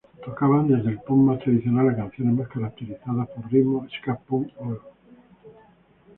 Tocaban desde el punk más tradicional a canciones más caracterizadas por ritmos ska-punk, oi!